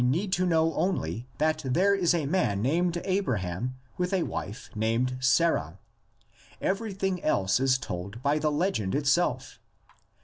need to know only that there is a man named Abra ham with a wife named Sarah; everything else is told by the legend itself.